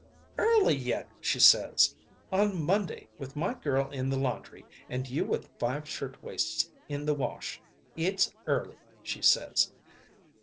"Early yet, she says! On Monday, with my girl in the laundry and you with five shirtwaists in the wash, it's early, she says!